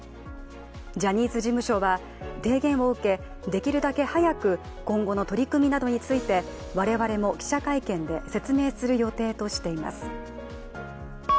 ジャニーズ事務所は提言を受けできるだけ早く今後の取り組みなどについて、我々も記者会見で説明する予定としています。